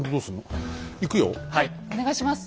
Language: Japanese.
はいお願いします。